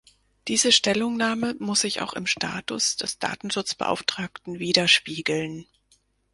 Diese Stellungnahme muss sich auch im Status des Datenschutzbeauftragten widerspiegeln.